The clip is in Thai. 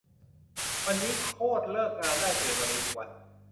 วันนี้ โคตร เลิกงานได้ ตื่นมาลุยอีกวัน